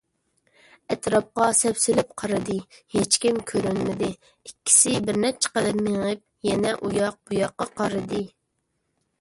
ئەتراپقا سەپسېلىپ قارىدى، ھېچكىم كۆرۈنمىدى، ئىككىسى بىرنەچچە قەدەم مېڭىپ، يەنە ئۇياق - بۇياققا قارىدى.